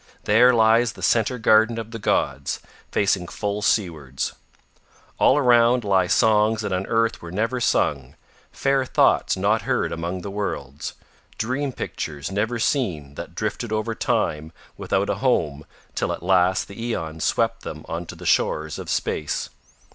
There lies the Centre Garden of the gods, facing full seawards. All around lie songs that on earth were never sung, fair thoughts not heard among the worlds, dream pictures never seen that drifted over Time without a home till at last the aeons swept them on to the shore of space.